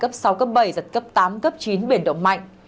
cấp sáu cấp bảy giật cấp tám cấp chín biển động mạnh